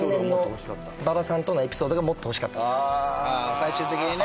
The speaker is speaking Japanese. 最終的にね